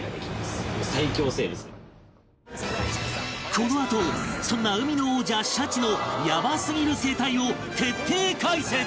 このあとそんな海の王者シャチのヤバすぎる生態を徹底解説！